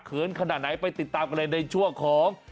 ขนาดไหนไปติดตามกันเลยในช่วงของ